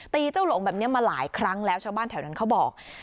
เจ้าหลงแบบนี้มาหลายครั้งแล้วชาวบ้านแถวนั้นเขาบอก